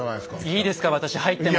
いいですか私入っても。